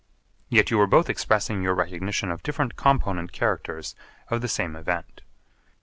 Yet you were both expressing your recognition of different component characters of the same event.